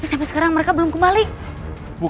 dan setelah itu